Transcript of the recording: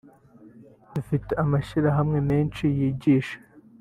dufite amashyirahamwe menshi yigisha